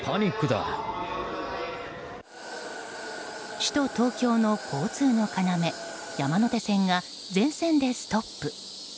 首都・東京の交通の要山手線が全線でストップ。